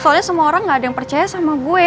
soalnya semua orang gak ada yang percaya sama gue